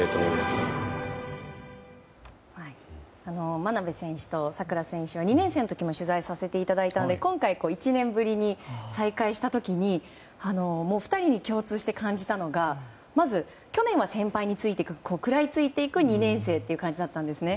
真鍋選手と佐倉選手は２年生の時も取材させていただいたんで今回１年ぶりに再会した時に２人に共通して感じたのがまず去年は先輩に食らいついていく２年生という感じだったんですね。